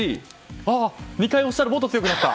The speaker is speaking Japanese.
２回押したらもっと強くなった！